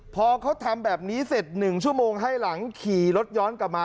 พอเขาทำแบบนี้เสร็จ๑ชั่วโมงให้หลังขี่รถย้อนกลับมา